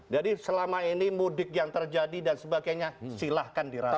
jadi selama ini mudik yang terjadi dan sebagainya silahkan dirasakan